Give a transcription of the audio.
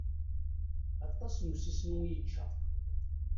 Aṭas n usisnu i yečča.